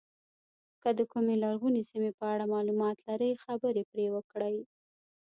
که د کومې لرغونې سیمې په اړه معلومات لرئ خبرې پرې وکړئ.